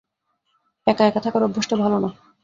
একা-একা থাকার অভ্যেসটা ভালো না।